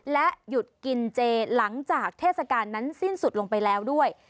และหยุดกินเจหลังจากเทศกาลนั้นสิ้นสุดลงไปแล้วด้วย